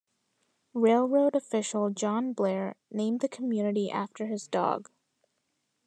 Railroad official John Blair named the community after his dog.